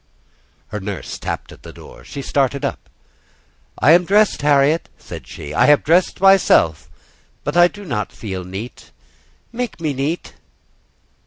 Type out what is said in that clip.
Her nurse tapped at the door. She started up. "I am dressed, Harriet," said she; "I have dressed myself, but I do not feel neat. Make me neat!"